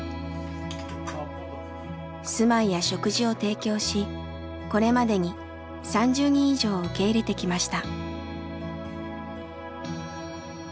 住まいや食事を提供しこれまでに３０人以上を受け入れてきました。